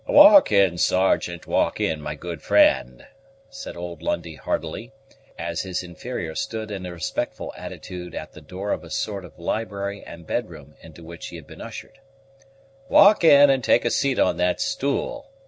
"Walk in, Sergeant, walk in, my good friend," said old Lundie heartily, as his inferior stood in a respectful attitude at the door of a sort of library and bedroom into which he had been ushered; "walk in, and take a seat on that stool.